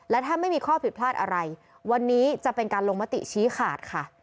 และถ้าไม่มีข้อผิดพลาดอะไรวันนี้จะเป็นการลงมติชี้ขาดค่ะ